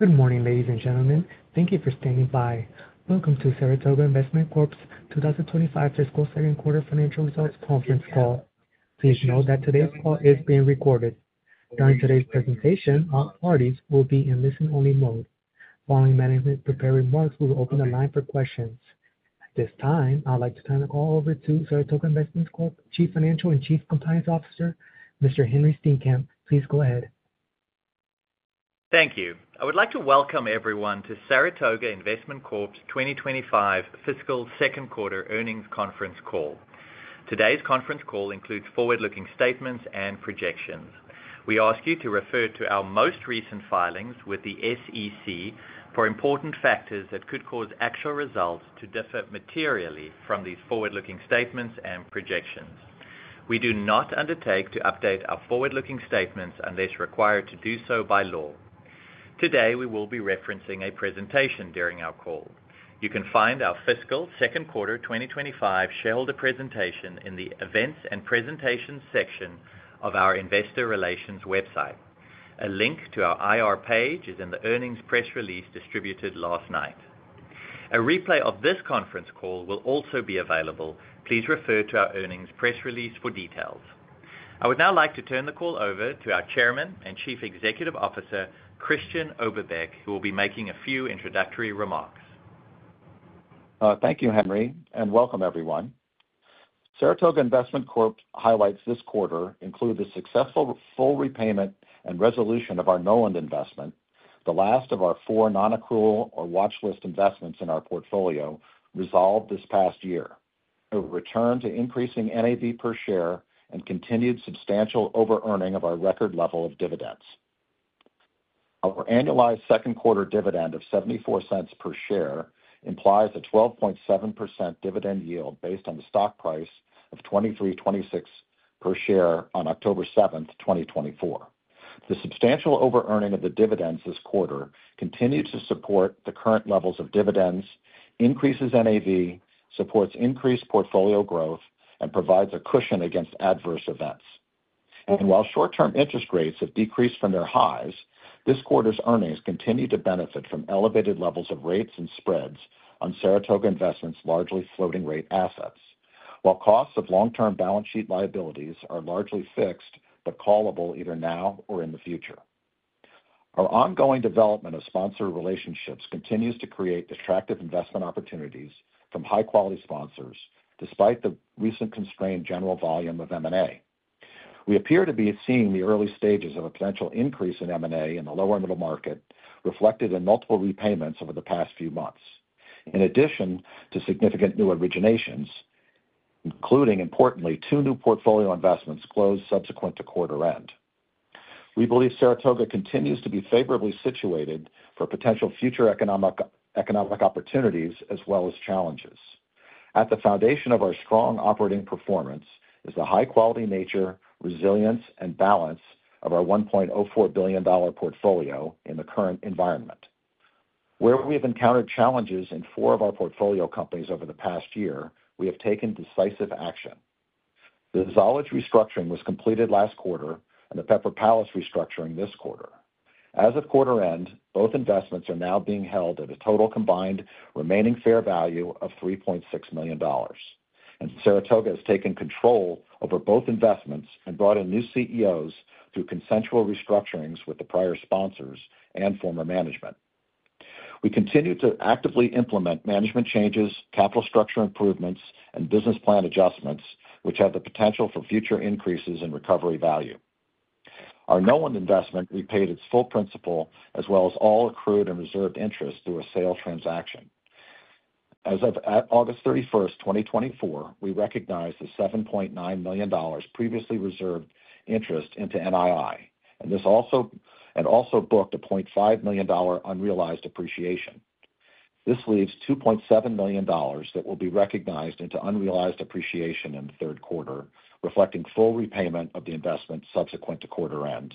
Good morning, ladies and gentlemen. Thank you for standing by. Welcome to Saratoga Investment Corp's 2025 fiscal second quarter financial results conference call. Please note that today's call is being recorded. During today's presentation, all parties will be in listen-only mode. Following management's prepared remarks, we will open the line for questions. At this time, I'd like to turn the call over to Saratoga Investment Corp's Chief Financial and Chief Compliance Officer, Mr. Henri Steenkamp. Please go ahead. Thank you. I would like to welcome everyone to Saratoga Investment Corp's 2025 fiscal second quarter earnings conference call. Today's conference call includes forward-looking statements and projections. We ask you to refer to our most recent filings with the SEC for important factors that could cause actual results to differ materially from these forward-looking statements and projections. We do not undertake to update our forward-looking statements unless required to do so by law. Today, we will be referencing a presentation during our call. You can find our fiscal second quarter 2025 shareholder presentation in the Events and Presentations section of our Investor Relations website. A link to our IR page is in the earnings press release distributed last night. A replay of this conference call will also be available. Please refer to our earnings press release for details. I would now like to turn the call over to our Chairman and Chief Executive Officer, Christian Oberbeck, who will be making a few introductory remarks. Thank you, Henri, and welcome, everyone. Saratoga Investment Corp highlights this quarter included the successful full repayment and resolution of our Knowland investment, the last of our four non-accrual or watchlist investments in our portfolio resolved this past year. It returned to increasing NAV per share and continued substantial over-earning of our record level of dividends. Our annualized second quarter dividend of $0.74 per share implies a 12.7% dividend yield based on the stock price of $23.26 per share on October 7, 2024. The substantial over-earning of the dividends this quarter continues to support the current levels of dividends, increases NAV, supports increased portfolio growth, and provides a cushion against adverse events. While short-term interest rates have decreased from their highs, this quarter's earnings continue to benefit from elevated levels of rates and spreads on Saratoga Investment's largely floating-rate assets, while costs of long-term balance sheet liabilities are largely fixed but callable either now or in the future. Our ongoing development of sponsor relationships continues to create attractive investment opportunities from high-quality sponsors, despite the recent constrained general volume of M&A. We appear to be seeing the early stages of a potential increase in M&A in the lower middle market reflected in multiple repayments over the past few months, in addition to significant new originations, including, importantly, two new portfolio investments closed subsequent to quarter end. We believe Saratoga continues to be favorably situated for potential future economic opportunities as well as challenges. At the foundation of our strong operating performance is the high-quality nature, resilience, and balance of our $1.04 billion portfolio in the current environment. Where we have encountered challenges in four of our portfolio companies over the past year, we have taken decisive action. The Zollege restructuring was completed last quarter and the Pepper Palace restructuring this quarter. As of quarter end, both investments are now being held at a total combined remaining fair value of $3.6 million, and Saratoga has taken control over both investments and brought in new CEOs through consensual restructurings with the prior sponsors and former management. We continue to actively implement management changes, capital structure improvements, and business plan adjustments, which have the potential for future increases in recovery value. Our Knowland investment repaid its full principal as well as all accrued and reserved interest through a sale transaction. As of August 31, 2024, we recognized the $7.9 million previously reserved interest into NII and also booked a $0.5 million unrealized appreciation. This leaves $2.7 million that will be recognized into unrealized appreciation in the third quarter, reflecting full repayment of the investment subsequent to quarter end.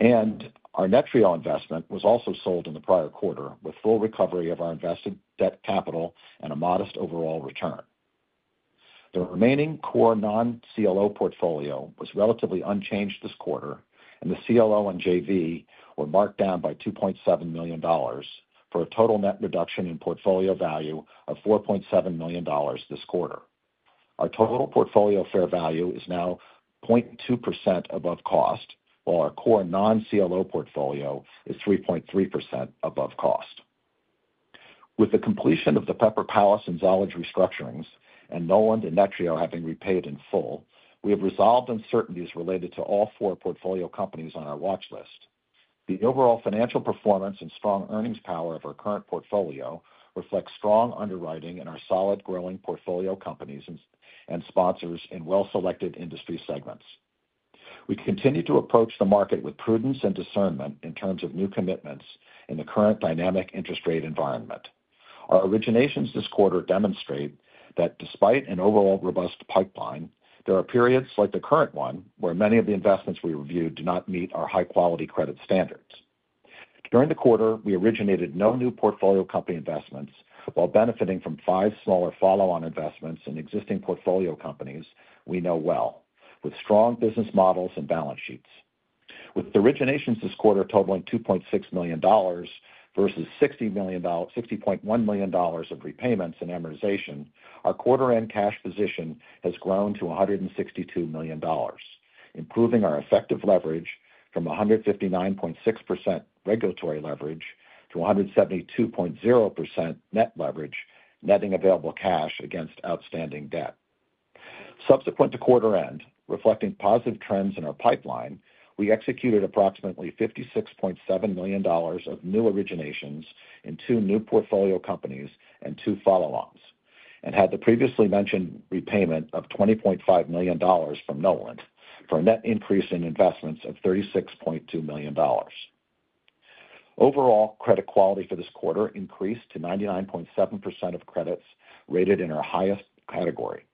Our Netreo investment was also sold in the prior quarter, with full recovery of our invested debt capital and a modest overall return. The remaining core non-CLO portfolio was relatively unchanged this quarter, and the CLO and JV were marked down by $2.7 million for a total net reduction in portfolio value of $4.7 million this quarter. Our total portfolio fair value is now 0.2% above cost, while our core non-CLO portfolio is 3.3% above cost. With the completion of the Pepper Palace and Zollege restructurings and Knowland and Netreo having repaid in full, we have resolved uncertainties related to all four portfolio companies on our watchlist. The overall financial performance and strong earnings power of our current portfolio reflects strong underwriting in our solid growing portfolio companies and sponsors in well-selected industry segments. We continue to approach the market with prudence and discernment in terms of new commitments in the current dynamic interest rate environment. Our originations this quarter demonstrate that despite an overall robust pipeline, there are periods like the current one where many of the investments we reviewed do not meet our high-quality credit standards. During the quarter, we originated no new portfolio company investments while benefiting from five smaller follow-on investments in existing portfolio companies we know well, with strong business models and balance sheets. With the originations this quarter totaling $2.6 million versus $60.1 million of repayments and amortization, our quarter-end cash position has grown to $162 million, improving our effective leverage from 159.6% regulatory leverage to 172.0% net leverage, netting available cash against outstanding debt. Subsequent to quarter end, reflecting positive trends in our pipeline, we executed approximately $56.7 million of new originations in two new portfolio companies and two follow-ons, and had the previously mentioned repayment of $20.5 million from Knowland for a net increase in investments of $36.2 million. Overall credit quality for this quarter increased to 99.7% of credits rated in our highest category,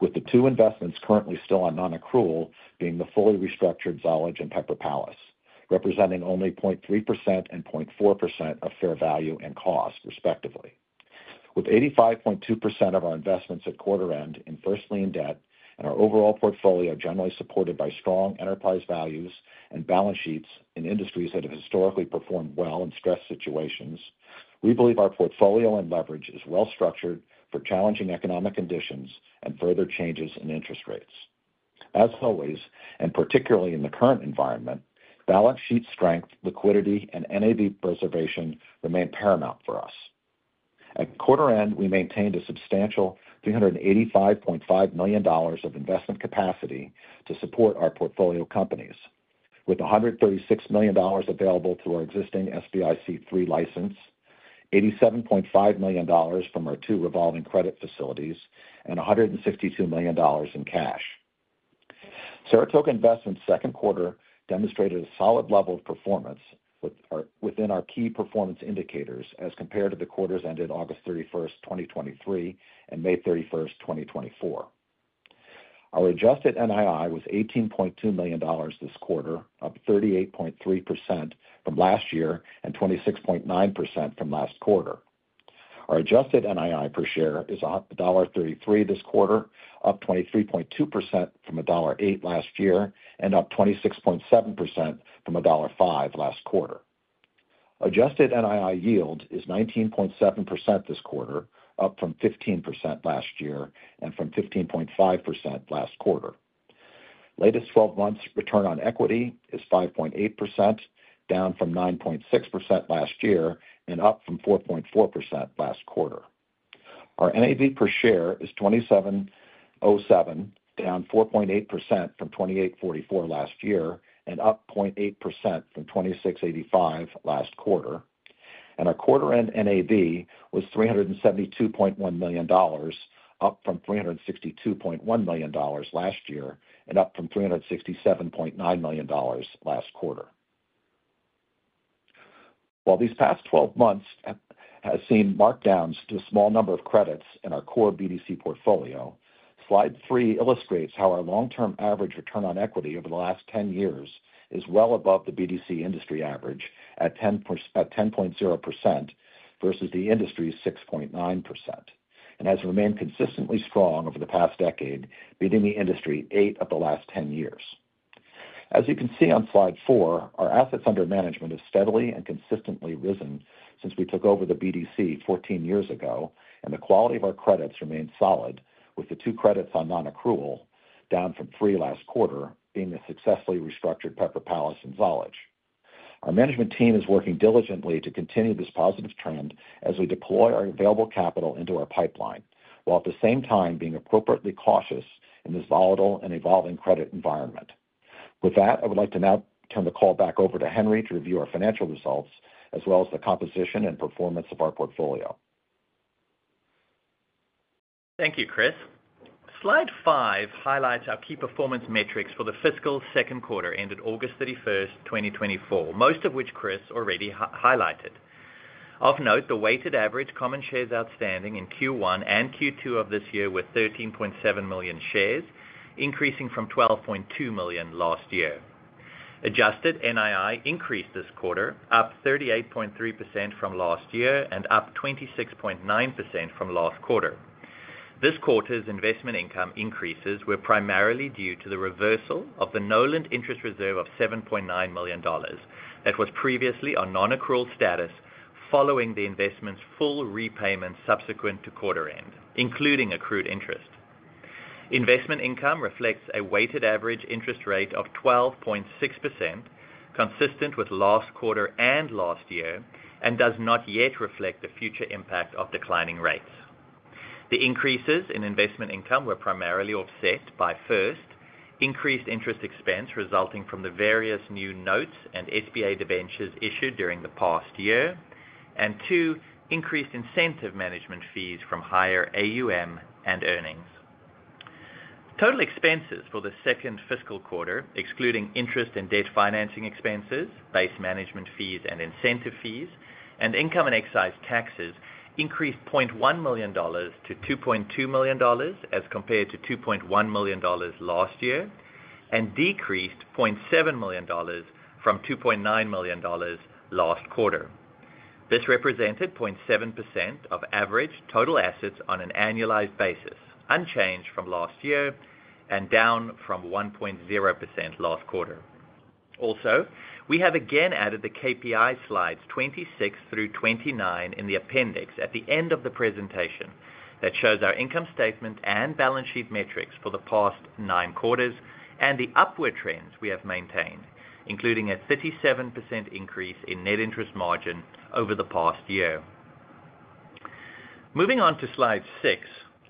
with the two investments currently still on non-accrual being the fully restructured Zollege and Pepper Palace, representing only 0.3% and 0.4% of fair value and cost, respectively. With 85.2% of our investments at quarter end in first lien debt and our overall portfolio generally supported by strong enterprise values and balance sheets in industries that have historically performed well in stress situations, we believe our portfolio and leverage is well-structured for challenging economic conditions and further changes in interest rates. As always, and particularly in the current environment, balance sheet strength, liquidity, and NAV preservation remain paramount for us. At quarter end, we maintained a substantial $385.5 million of investment capacity to support our portfolio companies, with $136 million available through our existing SBIC III license, $87.5 million from our two revolving credit facilities, and $162 million in cash. Saratoga Investment's second quarter demonstrated a solid level of performance within our key performance indicators as compared to the quarters ended August 31, 2023, and May 31, 2024. Our adjusted NII was $18.2 million this quarter, up 38.3% from last year and 26.9% from last quarter. Our adjusted NII per share is $1.33 this quarter, up 23.2% from $1.08 last year, and up 26.7% from $1.05 last quarter. Adjusted NII yield is 19.7% this quarter, up from 15% last year and from 15.5% last quarter. Latest 12 months return on equity is 5.8%, down from 9.6% last year and up from 4.4% last quarter. Our NAV per share is $27.07, down 4.8% from $28.44 last year and up 0.8% from $26.85 last quarter. And our quarter-end NAV was $372.1 million, up from $362.1 million last year and up from $367.9 million last quarter. While these past 12 months have seen markdowns to a small number of credits in our core BDC portfolio, slide 3 illustrates how our long-term average return on equity over the last 10 years is well above the BDC industry average at 10.0% versus the industry's 6.9%, and has remained consistently strong over the past decade, beating the industry eight of the last 10 years. As you can see on slide 4, our assets under management have steadily and consistently risen since we took over the BDC 14 years ago, and the quality of our credits remained solid, with the two credits on non-accrual, down from three last quarter, being the successfully restructured Pepper Palace and Zollege. Our management team is working diligently to continue this positive trend as we deploy our available capital into our pipeline, while at the same time being appropriately cautious in this volatile and evolving credit environment. With that, I would like to now turn the call back over to Henri to review our financial results, as well as the composition and performance of our portfolio. Thank you, Chris. Slide 5 highlights our key performance metrics for the fiscal second quarter ended August 31, 2024, most of which Chris already highlighted. Of note, the weighted average common shares outstanding in Q1 and Q2 of this year were 13.7 million shares, increasing from 12.2 million last year. Adjusted NII increased this quarter, up 38.3% from last year and up 26.9% from last quarter. This quarter's investment income increases were primarily due to the reversal of the Knowland interest reserve of $7.9 million that was previously on non-accrual status following the investment's full repayment subsequent to quarter end, including accrued interest. Investment income reflects a weighted average interest rate of 12.6%, consistent with last quarter and last year, and does not yet reflect the future impact of declining rates. The increases in investment income were primarily offset by, first, increased interest expense resulting from the various new notes and SBA debentures issued during the past year, and two, increased incentive management fees from higher AUM and earnings. Total expenses for the second fiscal quarter, excluding interest and debt financing expenses, base management fees and incentive fees, and income and excise taxes increased $0.1 million to $2.2 million as compared to $2.1 million last year and decreased $0.7 million from $2.9 million last quarter. This represented 0.7% of average total assets on an annualized basis, unchanged from last year and down from 1.0% last quarter. Also, we have again added the KPI slides 26 through 29 in the appendix at the end of the presentation that shows our income statement and balance sheet metrics for the past nine quarters and the upward trends we have maintained, including a 37% increase in net interest margin over the past year. Moving on to slide 6,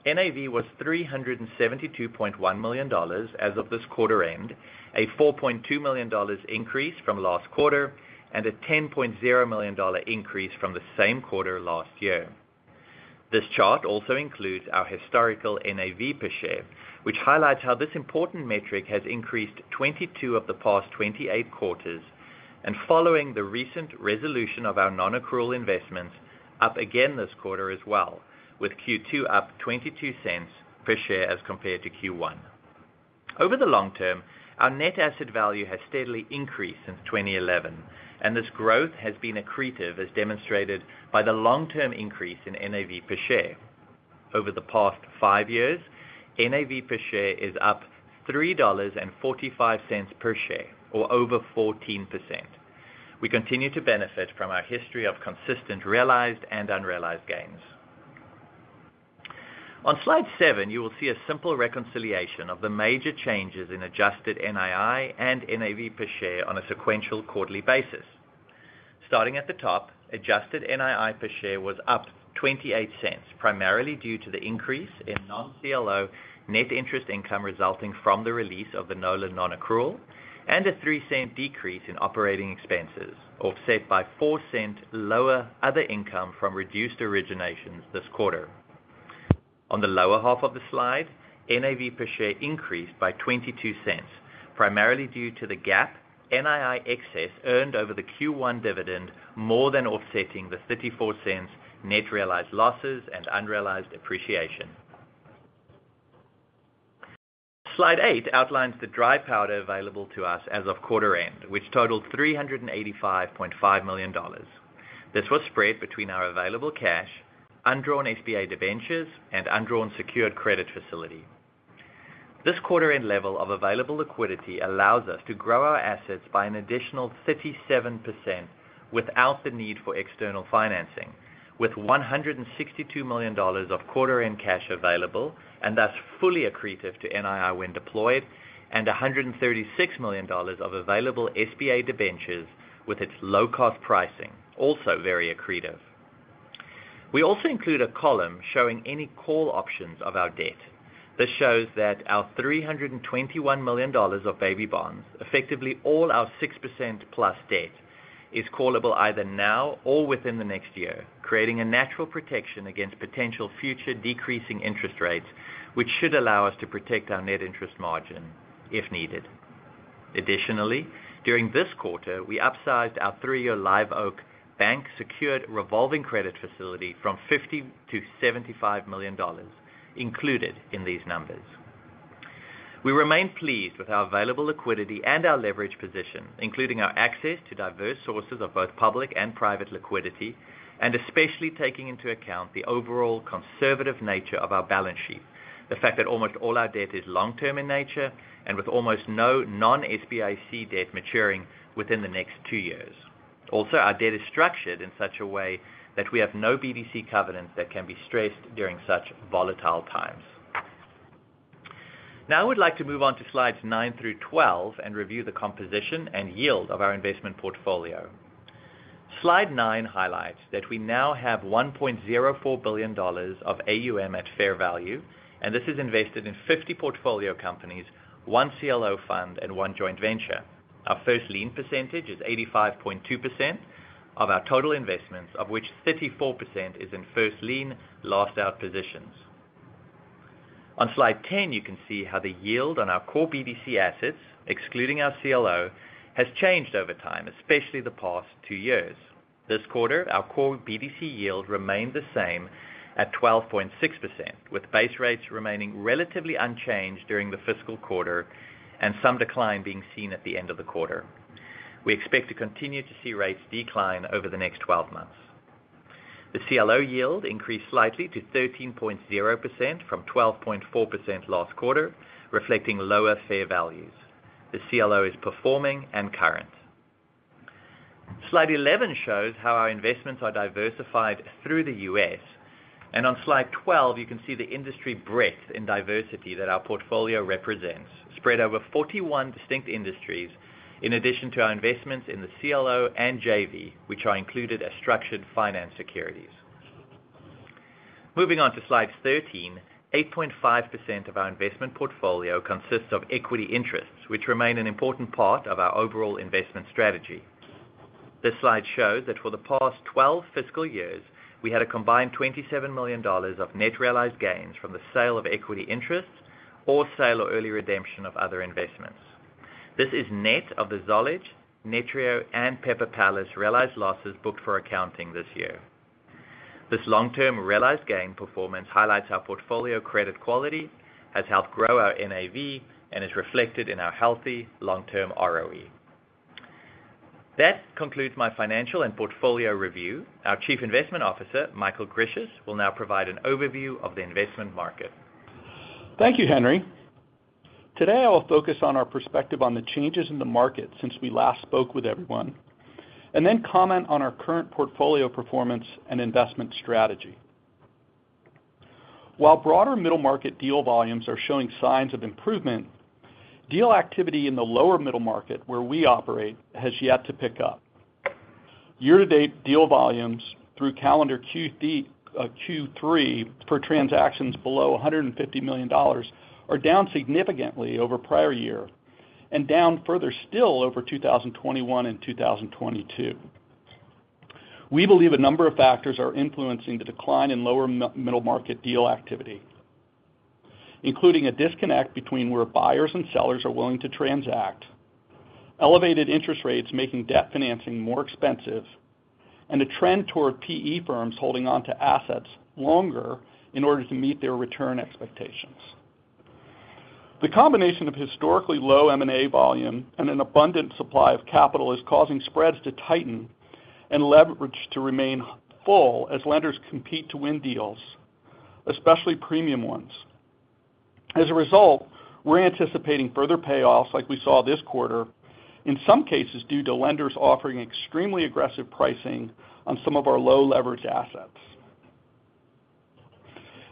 NAV was $372.1 million as of this quarter end, a $4.2 million increase from last quarter and a $10.0 million increase from the same quarter last year. This chart also includes our historical NAV per share, which highlights how this important metric has increased 22 of the past 28 quarters and following the recent resolution of our non-accrual investments, up again this quarter as well, with Q2 up $0.22 per share as compared to Q1. Over the long term, our net asset value has steadily increased since 2011, and this growth has been accretive as demonstrated by the long-term increase in NAV per share. Over the past five years, NAV per share is up $3.45 per share, or over 14%. We continue to benefit from our history of consistent realized and unrealized gains. On slide 7, you will see a simple reconciliation of the major changes in adjusted NII and NAV per share on a sequential quarterly basis. Starting at the top, adjusted NII per share was up $0.28, primarily due to the increase in non-CLO net interest income resulting from the release of the Knowland non-accrual and a $0.03 decrease in operating expenses, offset by $0.04 lower other income from reduced originations this quarter. On the lower half of the slide, NAV per share increased by $0.22, primarily due to the gap NII excess earned over the Q1 dividend more than offsetting the $0.34 net realized losses and unrealized appreciation. Slide 8 outlines the dry powder available to us as of quarter end, which totaled $385.5 million. This was spread between our available cash, undrawn SBA debentures, and undrawn secured credit facility. This quarter-end level of available liquidity allows us to grow our assets by an additional 37% without the need for external financing, with $162 million of quarter-end cash available and thus fully accretive to NII when deployed, and $136 million of available SBA debentures with its low-cost pricing, also very accretive. We also include a column showing any call options of our debt. This shows that our $321 million of baby bonds, effectively all our 6% plus debt, is callable either now or within the next year, creating a natural protection against potential future decreasing interest rates, which should allow us to protect our net interest margin if needed. Additionally, during this quarter, we upsized our three-year Live Oak Bank-secured revolving credit facility from $50-$75 million, included in these numbers. We remain pleased with our available liquidity and our leverage position, including our access to diverse sources of both public and private liquidity, and especially taking into account the overall conservative nature of our balance sheet, the fact that almost all our debt is long-term in nature and with almost no non-SBIC debt maturing within the next two years. Also, our debt is structured in such a way that we have no BDC covenants that can be stressed during such volatile times. Now, I would like to move on to slides 9 through 12 and review the composition and yield of our investment portfolio. Slide 9 highlights that we now have $1.04 billion of AUM at fair value, and this is invested in 50 portfolio companies, one CLO fund, and one joint venture. Our first lien percentage is 85.2% of our total investments, of which 34% is in first lien last-out positions. On slide 10, you can see how the yield on our core BDC assets, excluding our CLO, has changed over time, especially the past two years. This quarter, our core BDC yield remained the same at 12.6%, with base rates remaining relatively unchanged during the fiscal quarter and some decline being seen at the end of the quarter. We expect to continue to see rates decline over the next 12 months. The CLO yield increased slightly to 13.0% from 12.4% last quarter, reflecting lower fair values. The CLO is performing and current. Slide 11 shows how our investments are diversified through the U.S., and on slide 12, you can see the industry breadth and diversity that our portfolio represents, spread over 41 distinct industries, in addition to our investments in the CLO and JV, which are included as structured finance securities. Moving on to slide 13, 8.5% of our investment portfolio consists of equity interests, which remain an important part of our overall investment strategy. This slide shows that for the past 12 fiscal years, we had a combined $27 million of net realized gains from the sale of equity interests or sale or early redemption of other investments. This is net of the Zollege, Netreo, and Pepper Palace realized losses booked for accounting this year. This long-term realized gain performance highlights our portfolio credit quality, has helped grow our NAV, and is reflected in our healthy long-term ROE. That concludes my financial and portfolio review. Our Chief Investment Officer, Michael Grisius, will now provide an overview of the investment market. Thank you, Henri. Today, I will focus on our perspective on the changes in the market since we last spoke with everyone, and then comment on our current portfolio performance and investment strategy. While broader middle market deal volumes are showing signs of improvement, deal activity in the lower middle market where we operate has yet to pick up. Year-to-date deal volumes through calendar Q3 for transactions below $150 million are down significantly over prior year and down further still over 2021 and 2022. We believe a number of factors are influencing the decline in lower middle market deal activity, including a disconnect between where buyers and sellers are willing to transact, elevated interest rates making debt financing more expensive, and a trend toward PE firms holding onto assets longer in order to meet their return expectations. The combination of historically low M&A volume and an abundant supply of capital is causing spreads to tighten and leverage to remain full as lenders compete to win deals, especially premium ones. As a result, we're anticipating further payoffs like we saw this quarter, in some cases due to lenders offering extremely aggressive pricing on some of our low-leveraged assets.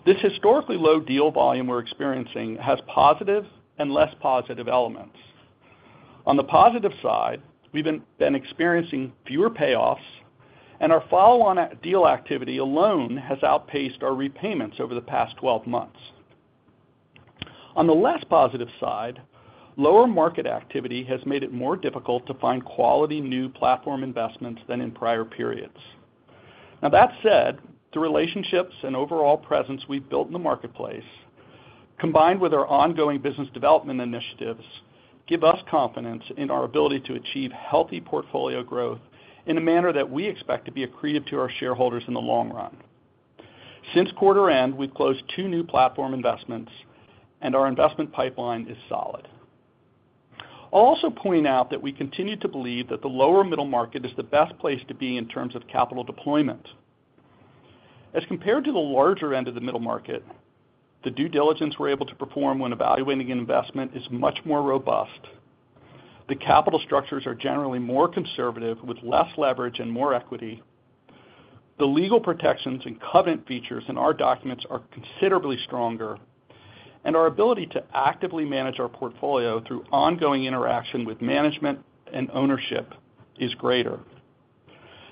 This historically low deal volume we're experiencing has positive and less positive elements. On the positive side, we've been experiencing fewer payoffs, and our follow-on deal activity alone has outpaced our repayments over the past 12 months. On the less positive side, lower market activity has made it more difficult to find quality new platform investments than in prior periods. Now, that said, the relationships and overall presence we've built in the marketplace, combined with our ongoing business development initiatives, give us confidence in our ability to achieve healthy portfolio growth in a manner that we expect to be accretive to our shareholders in the long run. Since quarter end, we've closed two new platform investments, and our investment pipeline is solid. I'll also point out that we continue to believe that the lower middle market is the best place to be in terms of capital deployment. As compared to the larger end of the middle market, the due diligence we're able to perform when evaluating an investment is much more robust. The capital structures are generally more conservative, with less leverage and more equity. The legal protections and covenant features in our documents are considerably stronger, and our ability to actively manage our portfolio through ongoing interaction with management and ownership is greater.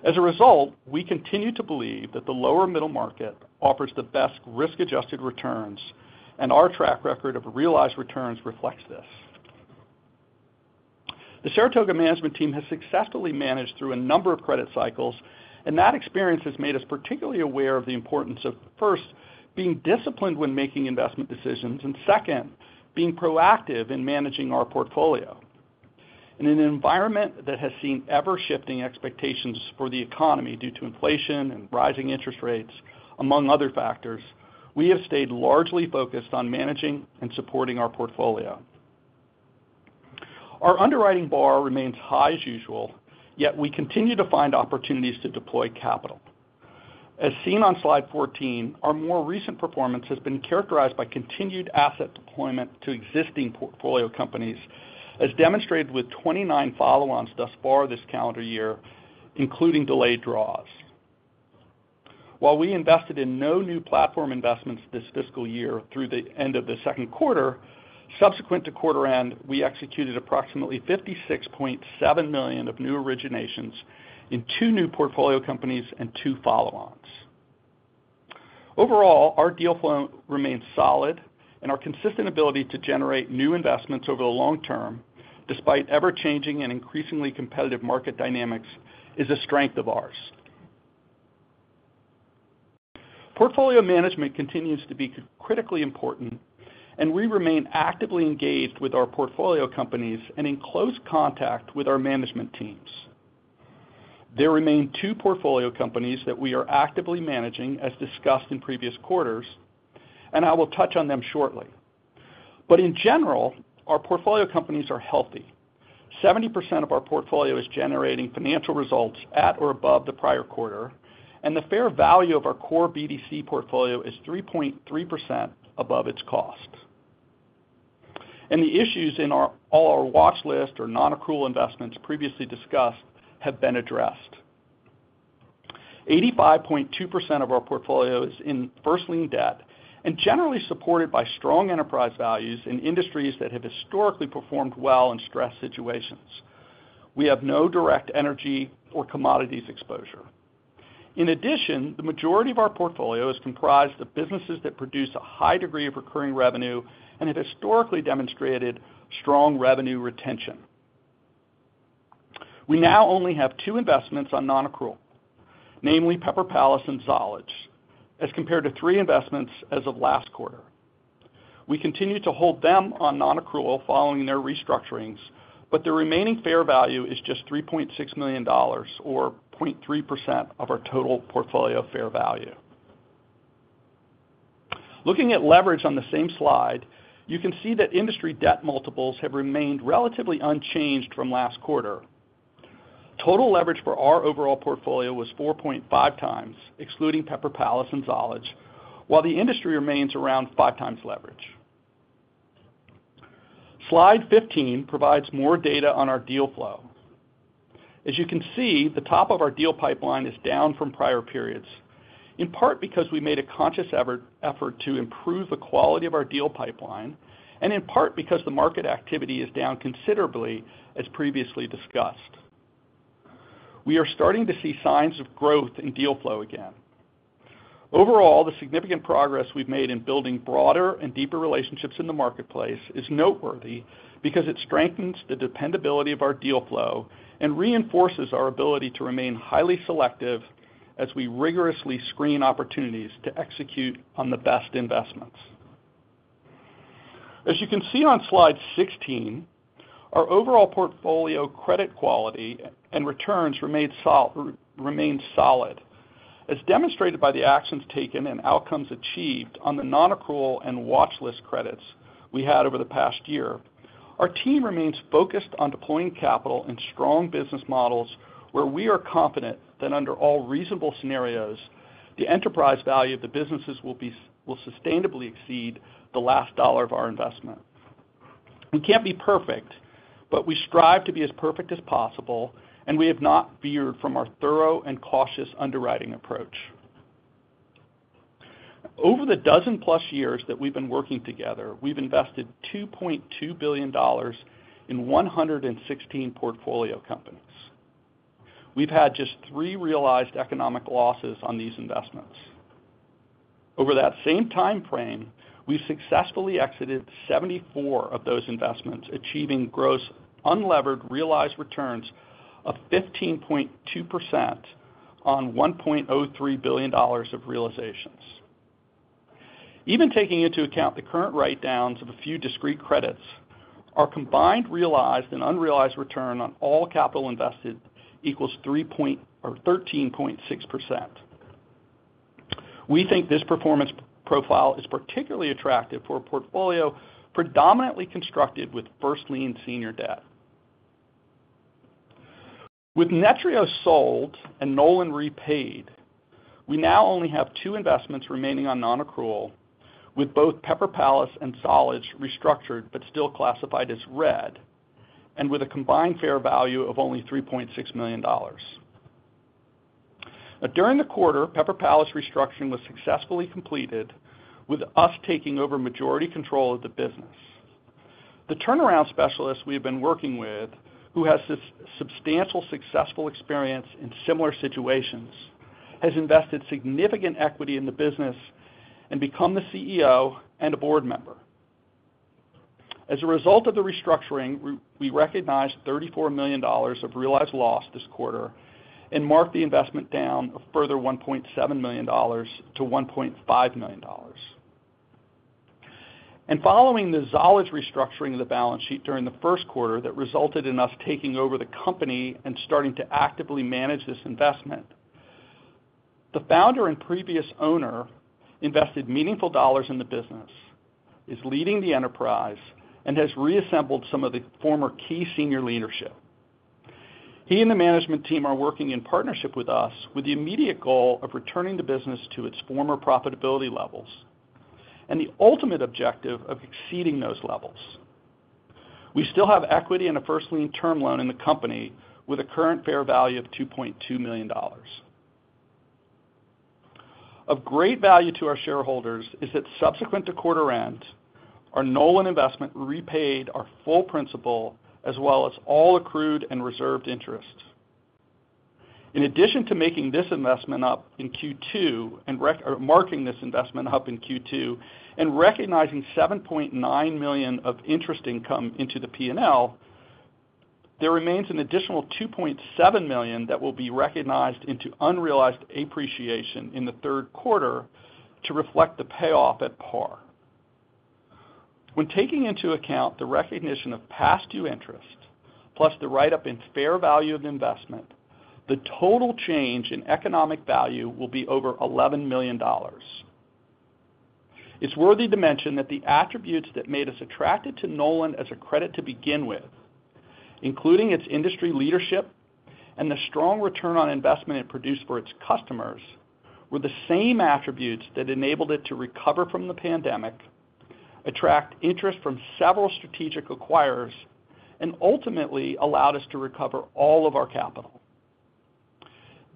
As a result, we continue to believe that the lower middle market offers the best risk-adjusted returns, and our track record of realized returns reflects this. The Saratoga Management Team has successfully managed through a number of credit cycles, and that experience has made us particularly aware of the importance of, first, being disciplined when making investment decisions, and second, being proactive in managing our portfolio. In an environment that has seen ever-shifting expectations for the economy due to inflation and rising interest rates, among other factors, we have stayed largely focused on managing and supporting our portfolio. Our underwriting bar remains high as usual, yet we continue to find opportunities to deploy capital. As seen on slide 14, our more recent performance has been characterized by continued asset deployment to existing portfolio companies, as demonstrated with 29 follow-ons thus far this calendar year, including delayed draws. While we invested in no new platform investments this fiscal year through the end of the second quarter, subsequent to quarter end, we executed approximately $56.7 million of new originations in two new portfolio companies and two follow-ons. Overall, our deal flow remains solid, and our consistent ability to generate new investments over the long term, despite ever-changing and increasingly competitive market dynamics, is a strength of ours. Portfolio management continues to be critically important, and we remain actively engaged with our portfolio companies and in close contact with our management teams. There remain two portfolio companies that we are actively managing, as discussed in previous quarters, and I will touch on them shortly. But in general, our portfolio companies are healthy. 70% of our portfolio is generating financial results at or above the prior quarter, and the fair value of our core BDC portfolio is 3.3% above its cost. And the issues in all our watch list or non-accrual investments previously discussed have been addressed. 85.2% of our portfolio is in first lien debt and generally supported by strong enterprise values in industries that have historically performed well in stress situations. We have no direct energy or commodities exposure. In addition, the majority of our portfolio is comprised of businesses that produce a high degree of recurring revenue and have historically demonstrated strong revenue retention. We now only have two investments on non-accrual, namely Pepper Palace and Zollege, as compared to three investments as of last quarter. We continue to hold them on non-accrual following their restructurings, but their remaining fair value is just $3.6 million, or 0.3% of our total portfolio fair value. Looking at leverage on the same slide, you can see that industry debt multiples have remained relatively unchanged from last quarter. Total leverage for our overall portfolio was 4.5 times, excluding Pepper Palace and Zollege, while the industry remains around 5 times leverage. Slide 15 provides more data on our deal flow. As you can see, the top of our deal pipeline is down from prior periods, in part because we made a conscious effort to improve the quality of our deal pipeline and in part because the market activity is down considerably, as previously discussed. We are starting to see signs of growth in deal flow again. Overall, the significant progress we've made in building broader and deeper relationships in the marketplace is noteworthy because it strengthens the dependability of our deal flow and reinforces our ability to remain highly selective as we rigorously screen opportunities to execute on the best investments. As you can see on slide 16, our overall portfolio credit quality and returns remain solid, as demonstrated by the actions taken and outcomes achieved on the non-accrual and watch list credits we had over the past year. Our team remains focused on deploying capital in strong business models where we are confident that under all reasonable scenarios, the enterprise value of the businesses will sustainably exceed the last dollar of our investment. We can't be perfect, but we strive to be as perfect as possible, and we have not veered from our thorough and cautious underwriting approach. Over the dozen-plus years that we've been working together, we've invested $2.2 billion in 116 portfolio companies. We've had just three realized economic losses on these investments. Over that same time frame, we've successfully exited 74 of those investments, achieving gross unleveraged realized returns of 15.2% on $1.03 billion of realizations. Even taking into account the current write-downs of a few discrete credits, our combined realized and unrealized return on all capital invested equals 13.6%. We think this performance profile is particularly attractive for a portfolio predominantly constructed with first lien senior debt. With Netreo sold and Knowland repaid, we now only have two investments remaining on non-accrual, with both Pepper Palace and Zollege restructured but still classified as red and with a combined fair value of only $3.6 million. Now, during the quarter, Pepper Palace restructuring was successfully completed, with us taking over majority control of the business. The turnaround specialist we have been working with, who has substantial successful experience in similar situations, has invested significant equity in the business and become the CEO and a board member. As a result of the restructuring, we recognized $34 million of realized loss this quarter and marked the investment down of further $1.7 million to $1.5 million, and following the Zollege restructuring of the balance sheet during the first quarter that resulted in us taking over the company and starting to actively manage this investment, the founder and previous owner invested meaningful dollars in the business, is leading the enterprise, and has reassembled some of the former key senior leadership. He and the management team are working in partnership with us with the immediate goal of returning the business to its former profitability levels and the ultimate objective of exceeding those levels. We still have equity in a first lien term loan in the company with a current fair value of $2.2 million. Of great value to our shareholders is that subsequent to quarter end, our Knowland investment repaid our full principal as well as all accrued and reserved interests. In addition to making this investment up in Q2 and marking this investment up in Q2 and recognizing $7.9 million of interest income into the P&L, there remains an additional $2.7 million that will be recognized into unrealized appreciation in the third quarter to reflect the payoff at par. When taking into account the recognition of past due interest plus the write-up in fair value of investment, the total change in economic value will be over $11 million. It's worthy to mention that the attributes that made us attracted to Knowland as a credit to begin with, including its industry leadership and the strong return on investment it produced for its customers, were the same attributes that enabled it to recover from the pandemic, attract interest from several strategic acquirers, and ultimately allowed us to recover all of our capital.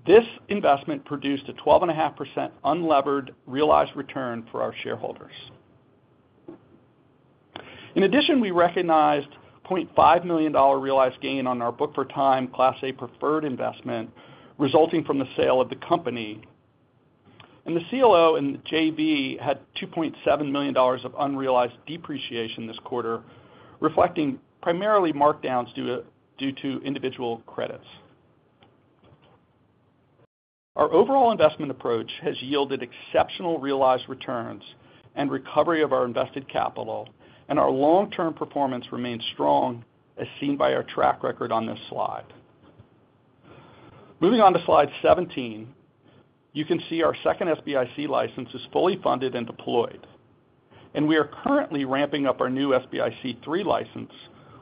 This investment produced a 12.5% unleveraged realized return for our shareholders. In addition, we recognized $0.5 million realized gain on our book from the Class A preferred investment resulting from the sale of the company, and the core and JV had $2.7 million of unrealized depreciation this quarter, reflecting primarily markdowns due to individual credits. Our overall investment approach has yielded exceptional realized returns and recovery of our invested capital, and our long-term performance remains strong, as seen by our track record on this slide. Moving on to slide 17, you can see our second SBIC license is fully funded and deployed, and we are currently ramping up our new SBIC III license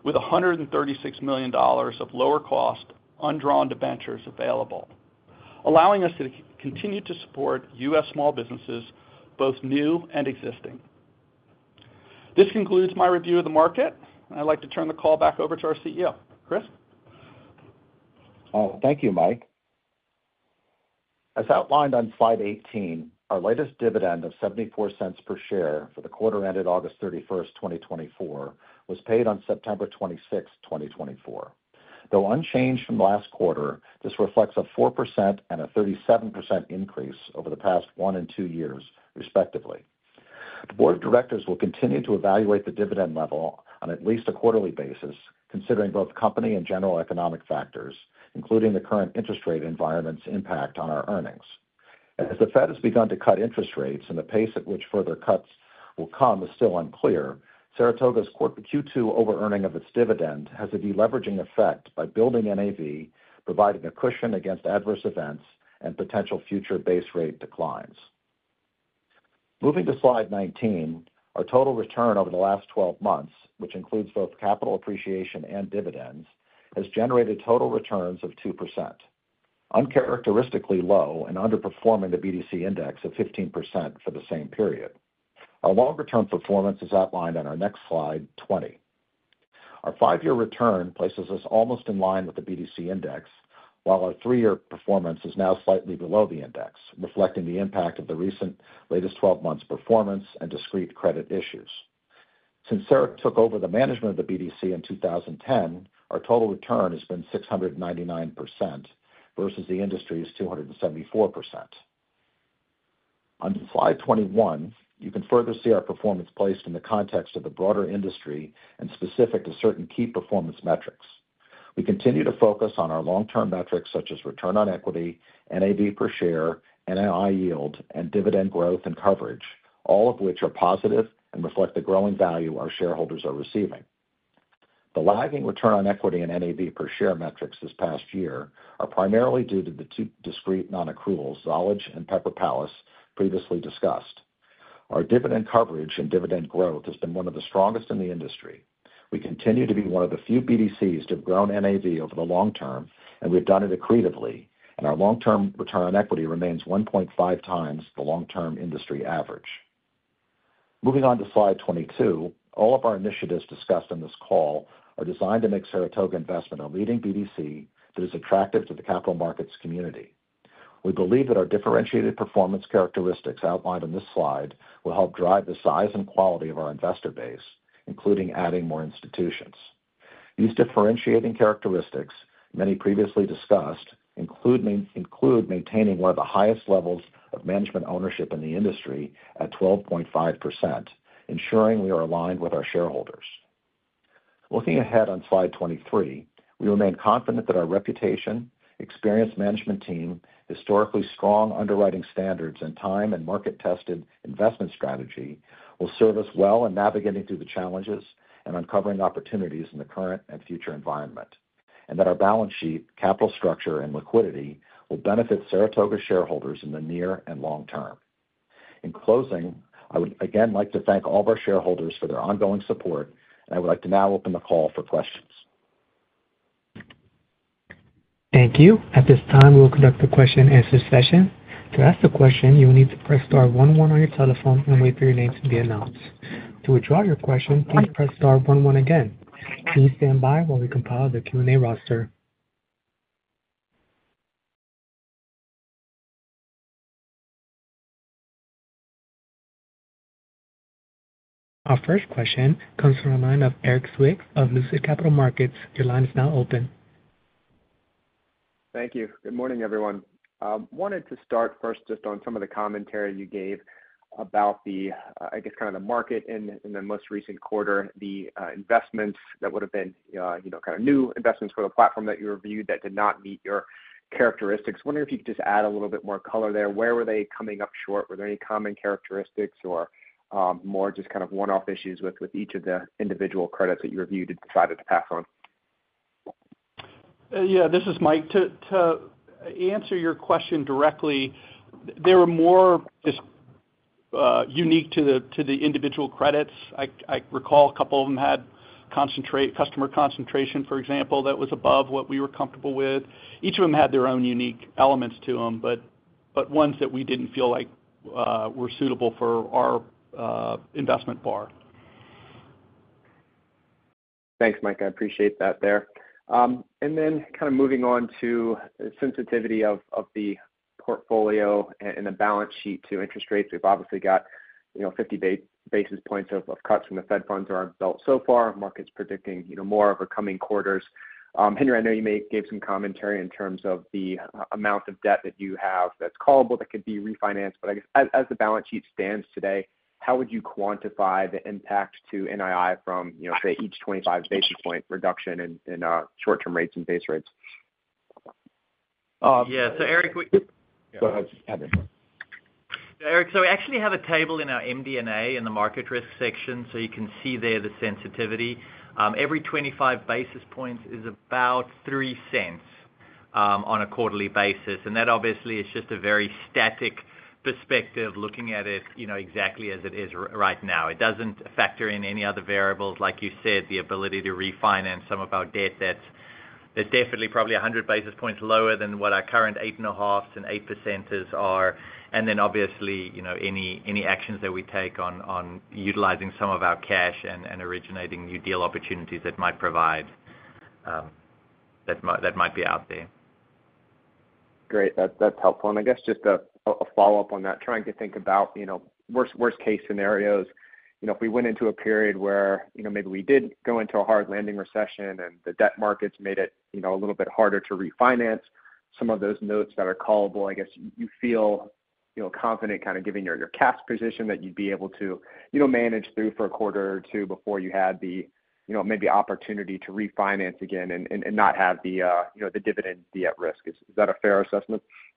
with $136 million of lower-cost undrawn commitments available, allowing us to continue to support U.S. small businesses, both new and existing. This concludes my review of the market, and I'd like to turn the call back over to our CEO, Chris. Thank you, Mike. As outlined on slide 18, our latest dividend of $0.74 per share for the quarter ended August 31, 2024, was paid on September 26, 2024. Though unchanged from last quarter, this reflects a 4% and a 37% increase over the past one and two years, respectively. The board of directors will continue to evaluate the dividend level on at least a quarterly basis, considering both company and general economic factors, including the current interest rate environment's impact on our earnings. As the Fed has begun to cut interest rates, and the pace at which further cuts will come is still unclear, Saratoga's Q2 over-earning of its dividend has a deleveraging effect by building NAV, providing a cushion against adverse events and potential future base rate declines. Moving to slide 19, our total return over the last 12 months, which includes both capital appreciation and dividends, has generated total returns of 2%, uncharacteristically low and underperforming the BDC Index of 15% for the same period. Our longer-term performance is outlined on our next slide, 20. Our five-year return places us almost in line with the BDC Index, while our three-year performance is now slightly below the index, reflecting the impact of the latest 12 months' performance and discrete credit issues. Since Saratoga took over the management of the BDC in 2010, our total return has been 699% versus the industry's 274%. On slide 21, you can further see our performance placed in the context of the broader industry and specific to certain key performance metrics. We continue to focus on our long-term metrics such as return on equity, NAV per share, NII yield, and dividend growth and coverage, all of which are positive and reflect the growing value our shareholders are receiving. The lagging return on equity and NAV per share metrics this past year are primarily due to the two discrete non-accruals, Zollege and Pepper Palace, previously discussed. Our dividend coverage and dividend growth has been one of the strongest in the industry. We continue to be one of the few BDCs to have grown NAV over the long term, and we've done it accretively, and our long-term return on equity remains 1.5 times the long-term industry average. Moving on to slide 22, all of our initiatives discussed in this call are designed to make Saratoga Investment a leading BDC that is attractive to the capital markets community. We believe that our differentiated performance characteristics outlined on this slide will help drive the size and quality of our investor base, including adding more institutions. These differentiating characteristics, many previously discussed, include maintaining one of the highest levels of management ownership in the industry at 12.5%, ensuring we are aligned with our shareholders. Looking ahead on slide 23, we remain confident that our reputation, experienced management team, historically strong underwriting standards, and time and market-tested investment strategy will serve us well in navigating through the challenges and uncovering opportunities in the current and future environment, and that our balance sheet, capital structure, and liquidity will benefit Saratoga shareholders in the near and long term. In closing, I would again like to thank all of our shareholders for their ongoing support, and I would like to now open the call for questions. Thank you. At this time, we'll conduct the question-and-answer session. To ask a question, you will need to press Star one one on your telephone and wait for your name to be announced. To withdraw your question, please press Star one one again. Please stand by while we compile the Q&A roster. Our first question comes from a line of Erik Zwick of Lucid Capital Markets. Your line is now open. Thank you. Good morning, everyone. I wanted to start first just on some of the commentary you gave about the, I guess, kind of the market in the most recent quarter, the investments that would have been kind of new investments for the platform that you reviewed that did not meet your characteristics. Wondering if you could just add a little bit more color there. Where were they coming up short? Were there any common characteristics or more just kind of one-off issues with each of the individual credits that you reviewed and decided to pass on? Yeah, this is Mike. To answer your question directly, there were more just unique to the individual credits. I recall a couple of them had customer concentration, for example, that was above what we were comfortable with. Each of them had their own unique elements to them, but ones that we didn't feel like were suitable for our investment bar. Thanks, Mike. I appreciate that there. And then kind of moving on to the sensitivity of the portfolio and the balance sheet to interest rates. We've obviously got 50 basis points of cuts from the Fed funds that aren't built so far. Market's predicting more over coming quarters. Henri, I know you may have given some commentary in terms of the amount of debt that you have that's callable that could be refinanced, but I guess as the balance sheet stands today, how would you quantify the impact to NII from, say, each 25 basis point reduction in short-term rates and base rates? Yeah. So, EriErik. Go ahead. Erik, so we actually have a table in our MD&A in the market risk section, so you can see there the sensitivity. Every 25 basis points is about $0.03 on a quarterly basis, and that obviously is just a very static perspective looking at it exactly as it is right now. It doesn't factor in any other variables. Like you said, the ability to refinance some of our debt, that's definitely probably 100 basis points lower than what our current 8.5s and 8% are, and then obviously any actions that we take on utilizing some of our cash and originating new deal opportunities that might be out there. Great. That's helpful. And I guess just a follow-up on that, trying to think about worst-case scenarios. If we went into a period where maybe we did go into a hard landing recession and the debt markets made it a little bit harder to refinance, some of those notes that are callable, I guess you feel confident kind of given your cash position that you'd be able to manage through for a quarter or two before you had the maybe opportunity to refinance again and not have the dividend be at risk. Is that a fair assessment? Yeah.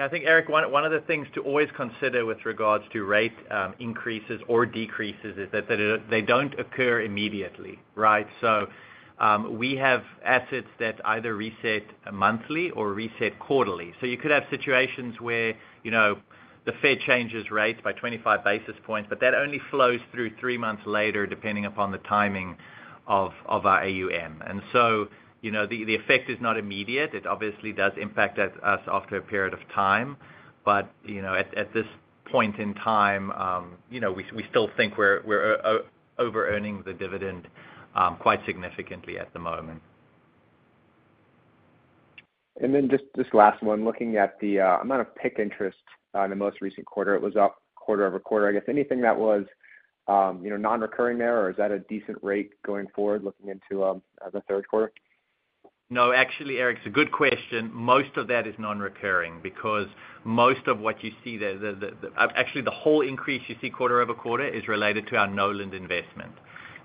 I think, Erik, one of the things to always consider with regards to rate increases or decreases is that they don't occur immediately, right? So we have assets that either reset monthly or reset quarterly. So you could have situations where the Fed changes rates by 25 basis points, but that only flows through three months later depending upon the timing of our AUM. And so the effect is not immediate. It obviously does impact us after a period of time, but at this point in time, we still think we're over-earning the dividend quite significantly at the moment. And then just this last one, looking at the amount of pick interest in the most recent quarter, it was up quarter over quarter. I guess anything that was non-recurring there, or is that a decent rate going forward looking into the third quarter? No, actually, Erik, it's a good question. Most of that is non-recurring because most of what you see there, actually the whole increase you see quarter over quarter is related to our Knowland investment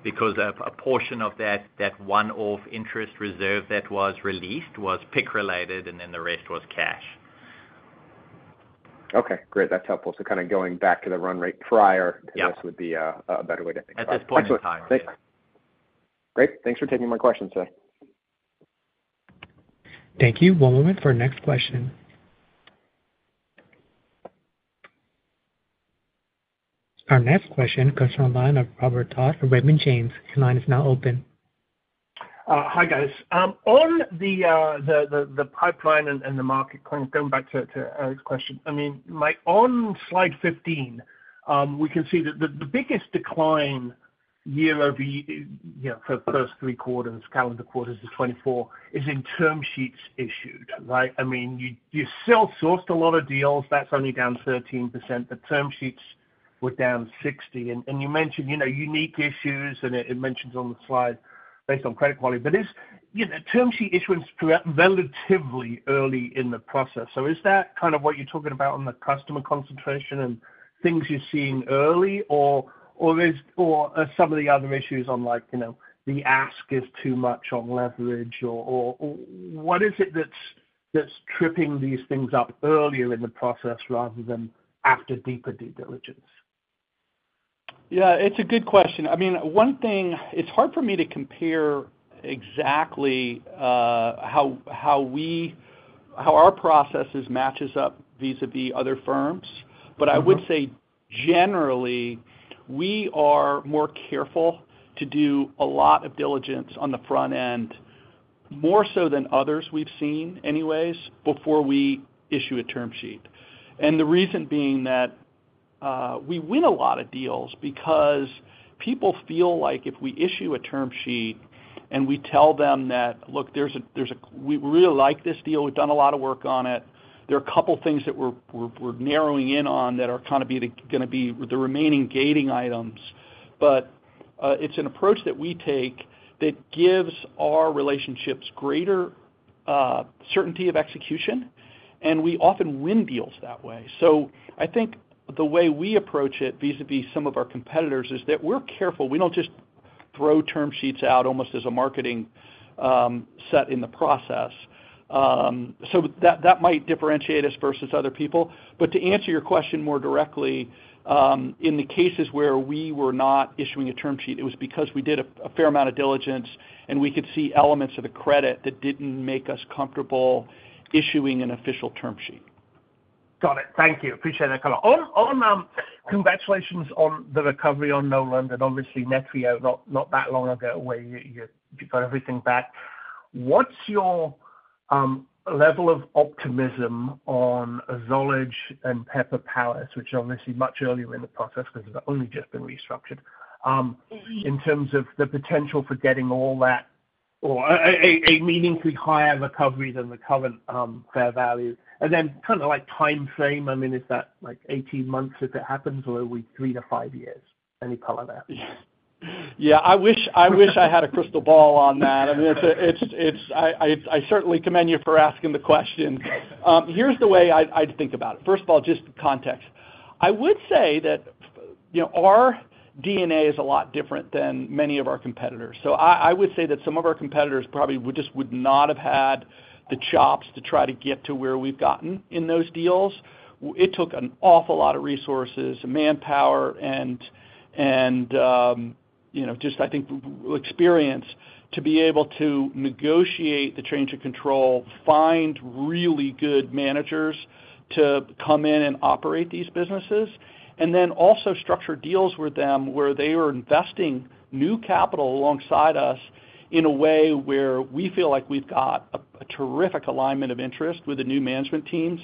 because a portion of that one-off interest reserve that was released was pick-related, and then the rest was cash. Okay. Great. That's helpful. So kind of going back to the run rate prior to this would be a better way to think about it. At this point in time. Great. Thanks for taking my questions, sir. Thank you. One moment for our next question. Our next question comes from a line of Robert Dodd of Raymond James. Your line is now open. Hi, guys. On the pipeline and the market, kind of going back to Erik's question, I mean, on slide 15, we can see that the biggest decline year over year for the first three quarters, calendar quarters of 2024, is in term sheets issued, right? I mean, you self-sourced a lot of deals. That's only down 13%. The term sheets were down 60%. And you mentioned unique issues, and it mentions on the slide based on credit quality. But term sheet issuance is relatively early in the process. So is that kind of what you're talking about on the customer concentration and things you're seeing early, or are some of the other issues on the ask is too much on leverage? Or what is it that's tripping these things up earlier in the process rather than after deeper due diligence? Yeah. It's a good question. I mean, one thing, it's hard for me to compare exactly how our processes match up vis-à-vis other firms, but I would say generally we are more careful to do a lot of diligence on the front end, more so than others we've seen anyways, before we issue a term sheet. And the reason being that we win a lot of deals because people feel like if we issue a term sheet and we tell them that, "Look, we really like this deal. We've done a lot of work on it. There are a couple of things that we're narrowing in on that are kind of going to be the remaining gating items. But it's an approach that we take that gives our relationships greater certainty of execution, and we often win deals that way. So I think the way we approach it vis-à-vis some of our competitors is that we're careful. We don't just throw term sheets out almost as a marketing set in the process. So that might differentiate us versus other people. But to answer your question more directly, in the cases where we were not issuing a term sheet, it was because we did a fair amount of diligence and we could see elements of the credit that didn't make us comfortable issuing an official term sheet. Got it. Thank you. Appreciate that, Colin. Congratulations on the recovery on Knowland and obviously Netreo not that long ago where you got everything back. What's your level of optimism on Zollege and Pepper Palace, which are obviously much earlier in the process because they've only just been restructured, in terms of the potential for getting all that or a meaningfully higher recovery than the current fair value? And then kind of like timeframe, I mean, is that like 18 months if it happens or are we three to five years? Any color there? Yeah. I wish I had a crystal ball on that. I mean, I certainly commend you for asking the question. Here's the way I'd think about it. First of all, just context. I would say that our DNA is a lot different than many of our competitors. So I would say that some of our competitors probably just would not have had the chops to try to get to where we've gotten in those deals. It took an awful lot of resources, manpower, and just, I think, experience to be able to negotiate the change of control, find really good managers to come in and operate these businesses, and then also structure deals with them where they are investing new capital alongside us in a way where we feel like we've got a terrific alignment of interest with the new management teams,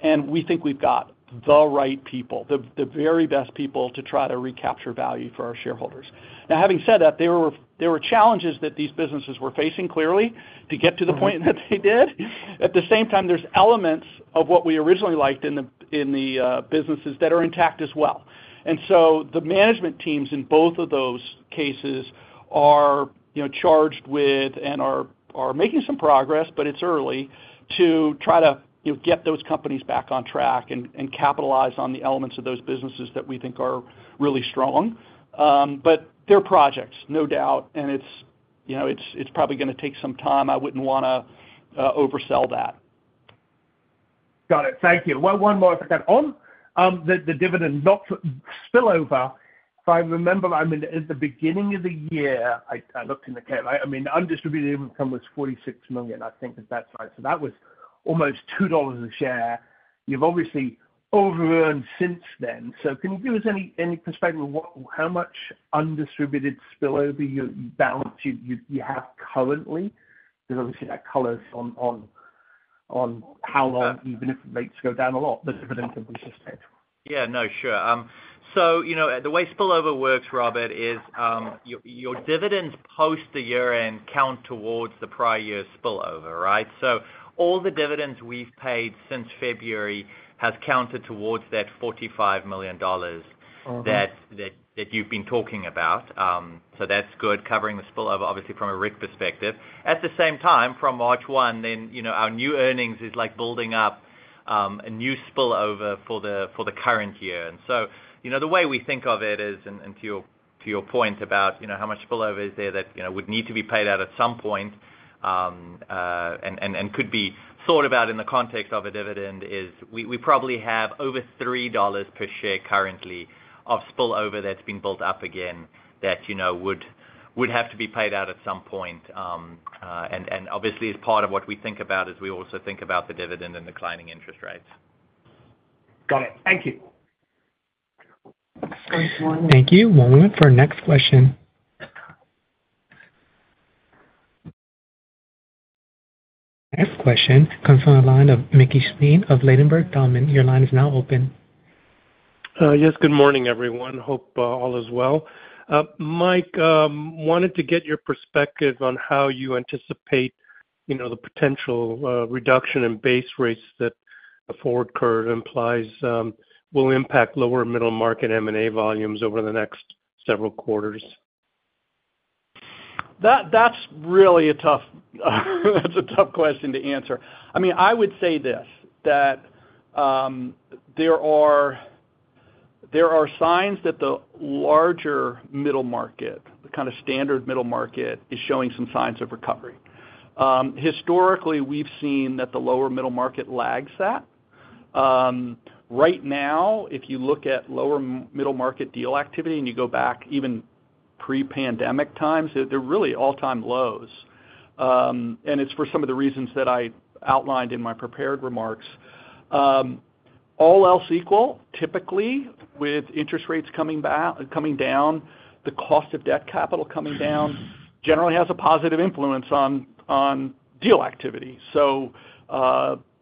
and we think we've got the right people, the very best people to try to recapture value for our shareholders. Now, having said that, there were challenges that these businesses were facing clearly to get to the point that they did. At the same time, there's elements of what we originally liked in the businesses that are intact as well. And so the management teams in both of those cases are charged with and are making some progress, but it's early to try to get those companies back on track and capitalize on the elements of those businesses that we think are really strong. But they're projects, no doubt, and it's probably going to take some time. I wouldn't want to oversell that. Got it. Thank you. One more if I can. On the dividend spillover, if I remember, I mean, at the beginning of the year, I looked in the calendar, I mean, undistributed income was $46 million, I think, if that's right. So that was almost $2 a share. You've obviously over-earned since then. So can you give us any perspective on how much undistributed spillover balance you have currently? Because obviously that colors on how long, even if rates go down a lot, the dividend can be sustained. Yeah. No, sure. So the way spillover works, Robert, is your dividends post the year-end count towards the prior year's spillover, right? So all the dividends we've paid since February has counted towards that $45 million that you've been talking about. So that's good, covering the spillover, obviously, from a RIC perspective. At the same time, from March 1, then our new earnings is building up a new spillover for the current year. And so the way we think of it is, and to your point about how much spillover is there that would need to be paid out at some point and could be thought about in the context of a dividend, is we probably have over $3 per share currently of spillover that's been built up again that would have to be paid out at some point. And obviously, as part of what we think about is we also think about the dividend and declining interest rates. Got it. Thank you. Thank you. One moment for our next question. Next question comes from a line of Mickey Schleien of Ladenburg Thalmann. Your line is now open. Yes. Good morning, everyone. Hope all is well. Mike, wanted to get your perspective on how you anticipate the potential reduction in base rates that the forward curve implies will impact lower middle market M&A volumes over the next several quarters. That's really a tough question to answer. I mean, I would say this, that there are signs that the larger middle market, the kind of standard middle market, is showing some signs of recovery. Historically, we've seen that the lower middle market lags that. Right now, if you look at lower middle market deal activity and you go back even pre-pandemic times, they're really all-time lows, and it's for some of the reasons that I outlined in my prepared remarks. All else equal, typically, with interest rates coming down, the cost of debt capital coming down generally has a positive influence on deal activity.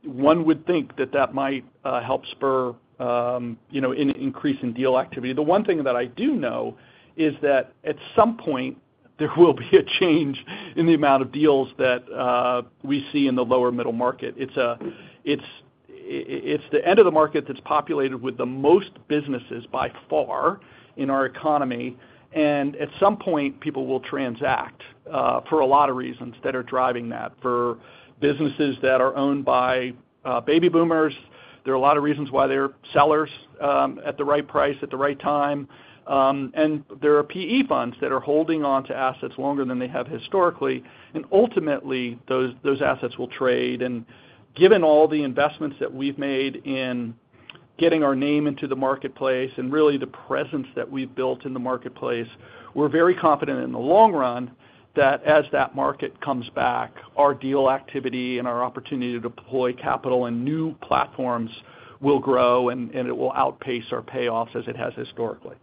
One would think that that might help spur an increase in deal activity. The one thing that I do know is that at some point, there will be a change in the amount of deals that we see in the lower middle market. It's the end of the market that's populated with the most businesses by far in our economy. And at some point, people will transact for a lot of reasons that are driving that. For businesses that are owned by baby boomers, there are a lot of reasons why they're sellers at the right price at the right time. And there are PE funds that are holding on to assets longer than they have historically. And ultimately, those assets will trade. And given all the investments that we've made in getting our name into the marketplace and really the presence that we've built in the marketplace, we're very confident in the long run that as that market comes back, our deal activity and our opportunity to deploy capital and new platforms will grow, and it will outpace our payoffs as it has historically.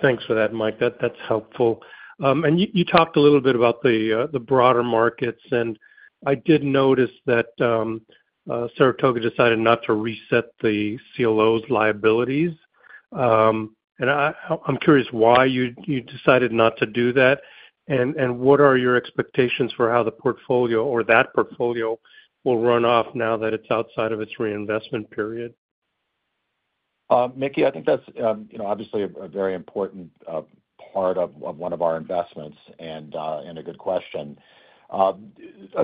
Thanks for that, Mike. That's helpful. And you talked a little bit about the broader markets, and I did notice that Saratoga decided not to reset the CLO's liabilities. And I'm curious why you decided not to do that and what are your expectations for how the portfolio or that portfolio will run off now that it's outside of its reinvestment period? Mickey, I think that's obviously a very important part of one of our investments and a good question. A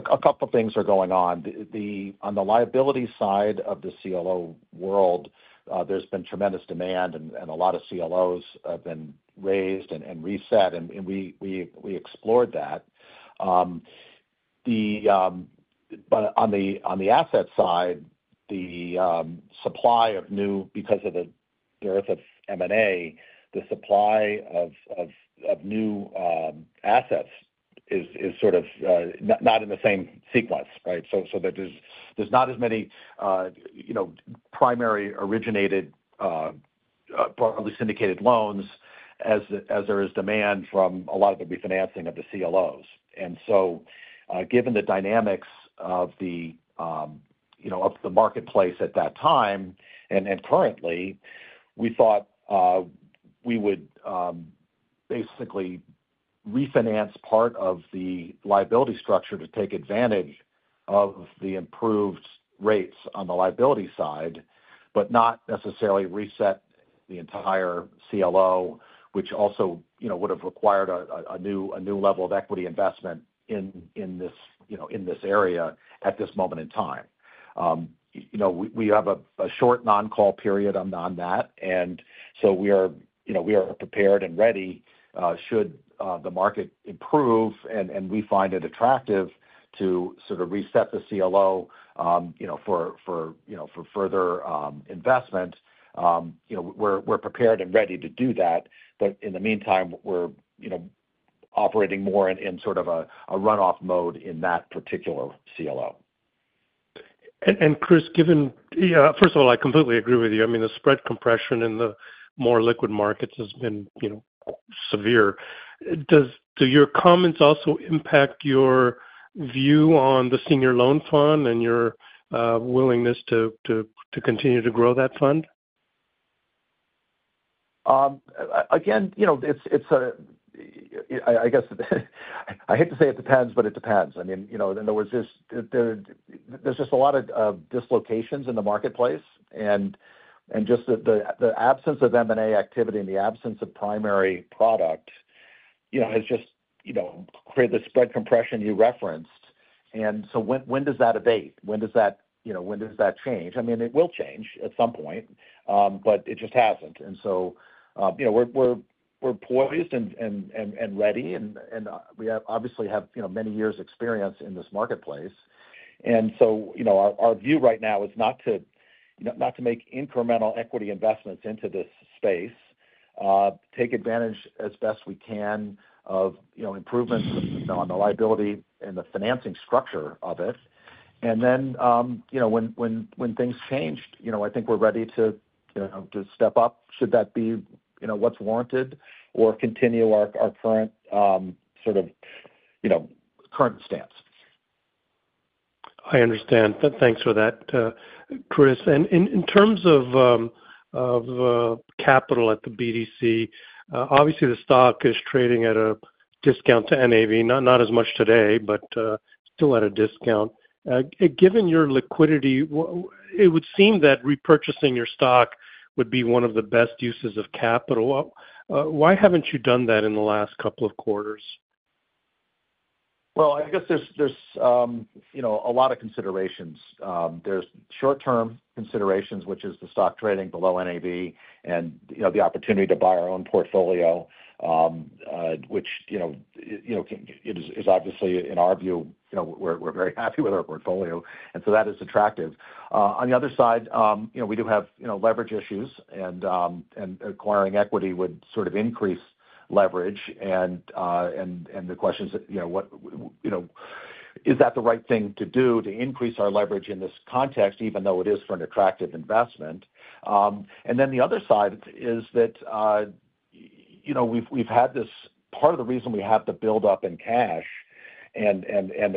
couple of things are going on. On the liability side of the CLO world, there's been tremendous demand, and a lot of CLOs have been raised and reset, and we explored that. But on the asset side, the supply of new, because of the burst of M&A, the supply of new assets is sort of not in the same sequence, right? So there's not as many primary originated, broadly syndicated loans as there is demand from a lot of the refinancing of the CLOs. And so given the dynamics of the marketplace at that time and currently, we thought we would basically refinance part of the liability structure to take advantage of the improved rates on the liability side, but not necessarily reset the entire CLO, which also would have required a new level of equity investment in this area at this moment in time. We have a short non-call period on that, and so we are prepared and ready should the market improve and we find it attractive to sort of reset the CLO for further investment. We're prepared and ready to do that, but in the meantime, we're operating more in sort of a runoff mode in that particular CLO. And Chris, given first of all, I completely agree with you. I mean, the spread compression in the more liquid markets has been severe. Do your comments also impact your view on the Senior Loan Fund and your willingness to continue to grow that fund? Again, it's a I guess I hate to say it depends, but it depends. I mean, there was just a lot of dislocations in the marketplace, and just the absence of M&A activity and the absence of primary product has just created the spread compression you referenced. And so when does that abate? When does that change? I mean, it will change at some point, but it just hasn't. And so we're poised and ready, and we obviously have many years' experience in this marketplace. And so our view right now is not to make incremental equity investments into this space, take advantage as best we can of improvements on the liability and the financing structure of it. And then when things change, I think we're ready to step up should that be what's warranted or continue our current stance. I understand. T hanks for that, Chris. And in terms of capital at the BDC, obviously, the stock is trading at a discount to NAV, not as much today, but still at a discount. Given your liquidity, it would seem that repurchasing your stock would be one of the best uses of capital. Why haven't you done that in the last couple of quarters? Well, I guess there's a lot of considerations. There's short-term considerations, which is the stock trading below NAV and the opportunity to buy our own portfolio, which is obviously, in our view, we're very happy with our portfolio. And so that is attractive. On the other side, we do have leverage issues, and acquiring equity would sort of increase leverage. And the question is, is that the right thing to do to increase our leverage in this context, even though it is for an attractive investment? And then the other side is that we've had this part of the reason we have the buildup in cash, and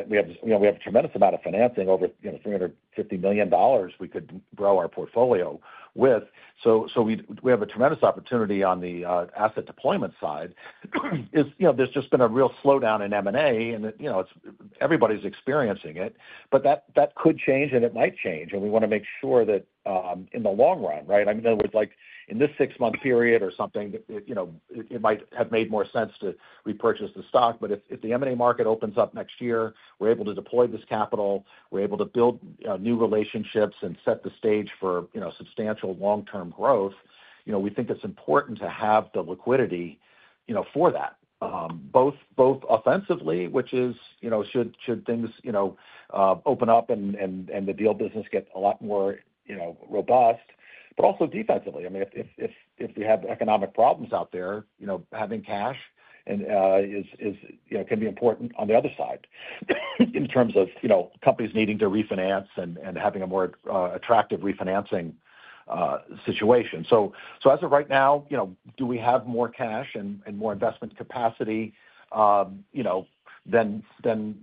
we have a tremendous amount of financing over $350 million we could grow our portfolio with. So we have a tremendous opportunity on the asset deployment side. There's just been a real slowdown in M&A, and everybody's experiencing it. But that could change, and it might change. And we want to make sure that in the long run, right? I mean, in other words, in this six-month period or something, it might have made more sense to repurchase the stock. But if the M&A market opens up next year, we're able to deploy this capital, we're able to build new relationships and set the stage for substantial long-term growth, we think it's important to have the liquidity for that, both offensively, which is should things open up and the deal business get a lot more robust, but also defensively. I mean, if we have economic problems out there, having cash can be important on the other side in terms of companies needing to refinance and having a more attractive refinancing situation. So as of right now, do we have more cash and more investment capacity than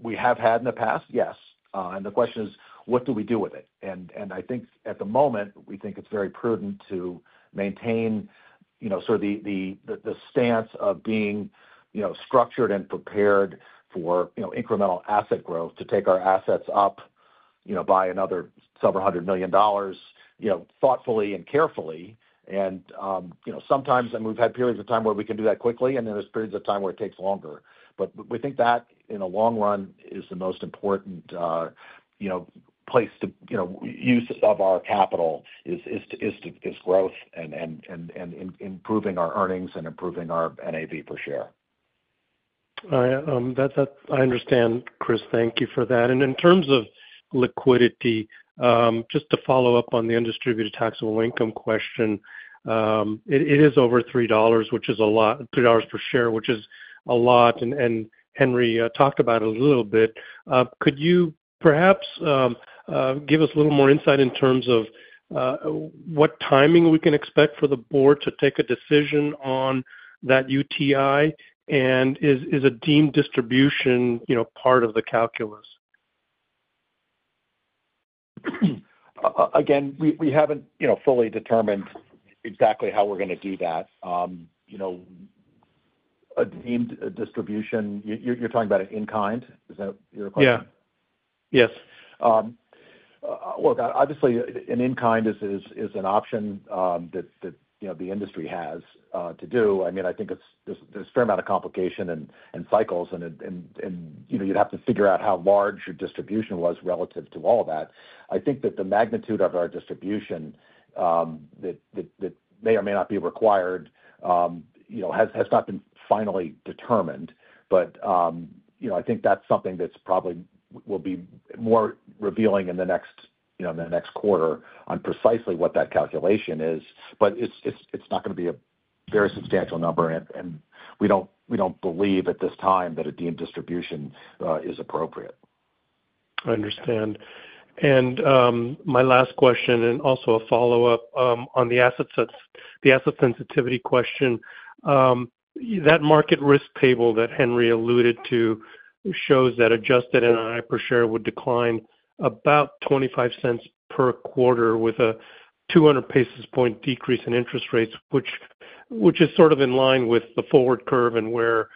we have had in the past? Yes. And the question is, what do we do with it? I think at the moment, we think it's very prudent to maintain sort of the stance of being structured and prepared for incremental asset growth to take our assets up by another several hundred million dollars thoughtfully and carefully. Sometimes, I mean, we've had periods of time where we can do that quickly, and then there's periods of time where it takes longer. But we think that in the long run is the most important place to use of our capital is growth and improving our earnings and improving our NAV per share. All right. I understand, Chris. Thank you for that. In terms of liquidity, just to follow up on the undistributed taxable income question, it is over $3, which is a lot, $3 per share, which is a lot. Henry talked about it a little bit. Could you perhaps give us a little more insight in terms of what timing we can expect for the board to take a decision on that UTI, and is a deemed distribution part of the calculus? Again, we haven't fully determined exactly how we're going to do that. A deemed distribution, you're talking about an in-kind? Is that your question? Yeah. Yes. Look, obviously, an in-kind is an option that the industry has to do. I mean, I think there's a fair amount of complication and cycles, and you'd have to figure out how large your distribution was relative to all of that. I think that the magnitude of our distribution that may or may not be required has not been finally determined. But I think that's something that probably will be more revealing in the next quarter on precisely what that calculation is. But it's not going to be a very substantial number, and we don't believe at this time that a deemed distribution is appropriate. I understand, and my last question and also a follow-up on the asset sensitivity question. That market risk table that Henry alluded to shows that Adjusted NII per share would decline about $0.25 per quarter with a 200 basis points decrease in interest rates, which is sort of in line with the forward curve and where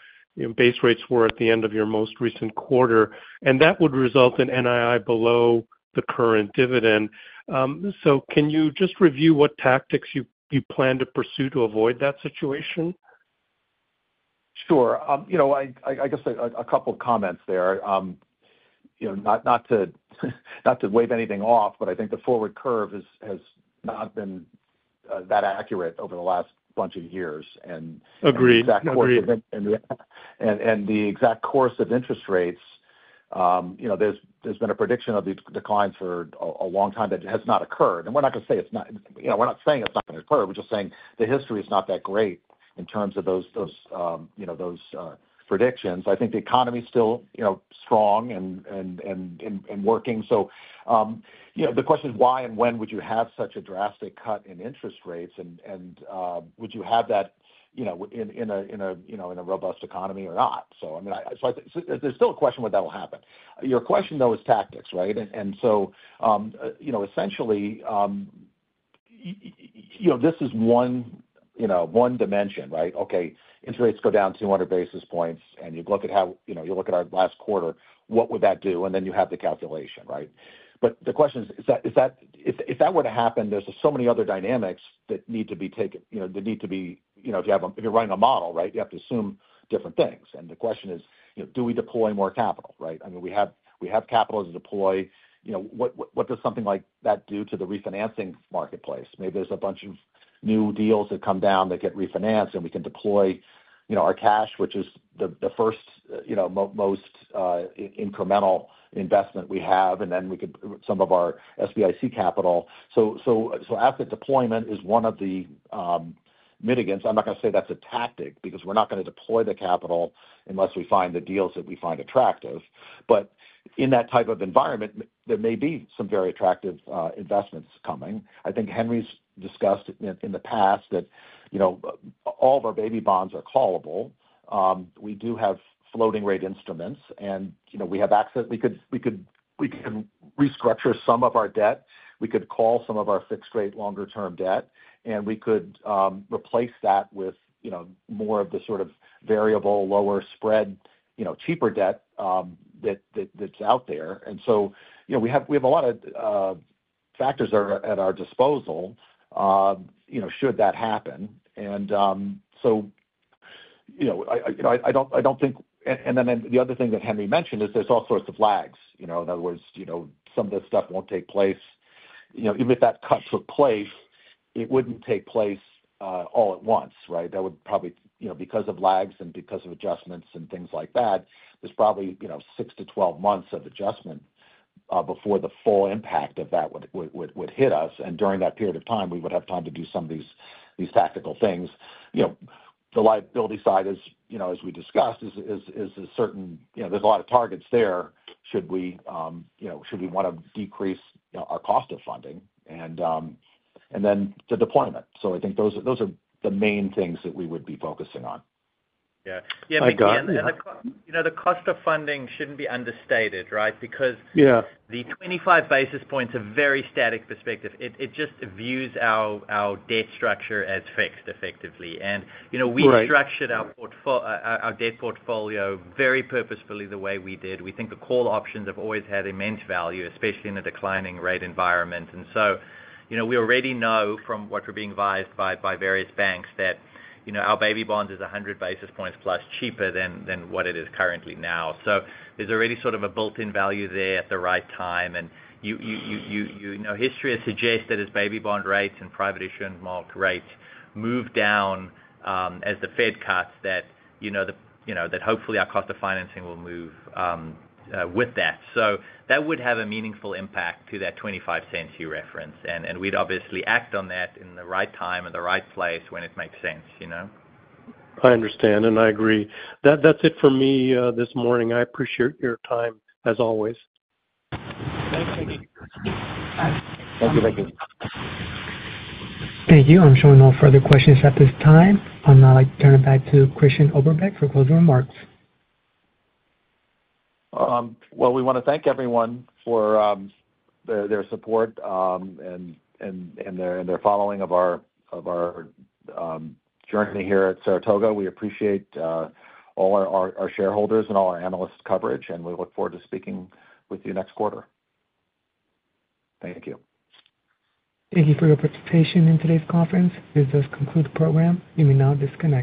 base rates were at the end of your most recent quarter. And that would result in NII below the current dividend, so can you just review what tactics you plan to pursue to avoid that situation? Sure. I guess a couple of comments there. Not to wave anything off, but I think the forward curve has not been that accurate over the last bunch of years. The exact course of interest rates, there's been a prediction of these declines for a long time that has not occurred. We're not going to say it's not. We're not saying it's not going to occur. We're just saying the history is not that great in terms of those predictions. I think the economy is still strong and working. The question is, why and when would you have such a drastic cut in interest rates? Would you have that in a robust economy or not? I mean, there's still a question of whether that will happen. Your question, though, is tactics, right? Essentially, this is one dimension, right? Okay, interest rates go down 200 basis points, and you look at our last quarter, what would that do? Then you have the calculation, right? The question is, if that were to happen, there's so many other dynamics that need to be taken if you're running a model, right? You have to assume different things. The question is, do we deploy more capital, right? I mean, we have capital to deploy. What does something like that do to the refinancing marketplace? Maybe there's a bunch of new deals that come down that get refinanced, and we can deploy our cash, which is the first most incremental investment we have, and then we could some of our SBIC capital. So asset deployment is one of the mitigants. I'm not going to say that's a tactic because we're not going to deploy the capital unless we find the deals that we find attractive. But in that type of environment, there may be some very attractive investments coming. I think Henri's discussed in the past that all of our baby bonds are callable. We do have floating-rate instruments, and we have access. We could restructure some of our debt. We could call some of our fixed-rate longer-term debt, and we could replace that with more of the sort of variable, lower-spread, cheaper debt that's out there. And so we have a lot of factors at our disposal should that happen. And so I don't think and then the other thing that Henri mentioned is there's all sorts of lags. In other words, some of this stuff won't take place. Even if that cut took place, it wouldn't take place all at once, right? That would probably because of lags and because of adjustments and things like that, there's probably 6-12 months of adjustment before the full impact of that would hit us. During that period of time, we would have time to do some of these tactical things. The liability side, as we discussed, there's certainly a lot of targets there. Should we want to decrease our cost of funding? Then the deployment. I think those are the main things that we would be focusing on. Yeah. Yeah. The cost of funding shouldn't be understated, right? Because the 25 basis points are from a very static perspective. It just views our debt structure as fixed, effectively. We've structured our debt portfolio very purposefully the way we did. We think the call options have always had immense value, especially in a declining rate environment. So we already know from what we're being advised by various banks that our baby bonds is 100 basis points plus cheaper than what it is currently now. So there's already sort of a built-in value there at the right time. And history has suggested as baby bond rates and private issuance market rates move down as the Fed cuts that hopefully our cost of financing will move with that. So that would have a meaningful impact to that $0.25 you referenced. And we'd obviously act on that in the right time and the right place when it makes sense. I understand, and I agree. That's it for me this morning. I appreciate your time as always. Thank you. Thank you. Thank you. Thank you. I'm showing no further questions at this time. I'm now turning it back to Christian Oberbeck for closing remarks. Well, we want to thank everyone for their support and their following of our journey here at Saratoga. We appreciate all our shareholders and all our analysts' coverage, and we look forward to speaking with you next quarter. Thank you. Thank you for your participation in today's conference. This does conclude the program. You may now disconnect.